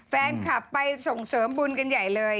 แฟนคลับไปส่งเสริมบุญกันใหญ่เลย